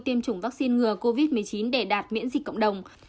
tiêm chủng vaccine ngừa covid một mươi chín để đạt miễn dịch cộng đồng